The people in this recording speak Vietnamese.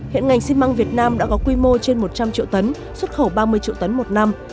hiện ngành xi măng việt nam đã có quy mô trên một trăm linh triệu tấn xuất khẩu ba mươi triệu tấn một năm